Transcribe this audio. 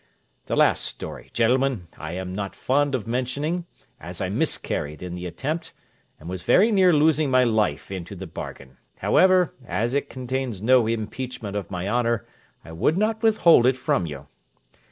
The last story, gentlemen, I am not fond of mentioning, as I miscarried in the attempt, and was very near losing my life into the bargain: however, as it contains no impeachment of my honour, I would not withhold it from you.